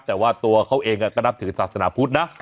แต่ว่าตัวเขาเองก็นับถือศาสนาพุทธนะ